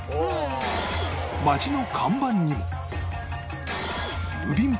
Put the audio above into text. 町の看板にも